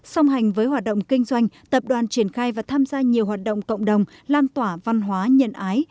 song hành với hoạt động kinh doanh tập đoàn triển khai và tham gia nhiều hoạt động cộng đồng lan tỏa văn hóa nhận ái